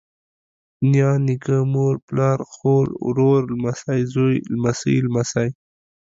نيا، نيکه، مور، پلار، خور، ورور، لور، زوى، لمسۍ، لمسى